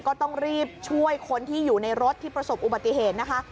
ก็ต้องรีบช่วยคนที่อยู่ในรถที่ประสบอุบัติเหตุนะคะ